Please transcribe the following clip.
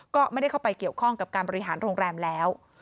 ก็ไม่ได้เข้าไปเกี่ยวข้องกับการบริหารโรงแรมแล้ว